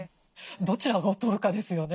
どちらを取るかですよね。